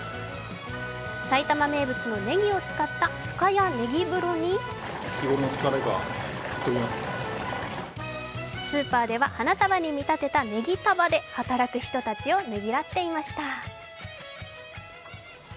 埼玉名物のねぎを使った深谷ねぎ風呂にスーパーでは花束に見立てたねぎ束で働く人たちをねぎらっていました。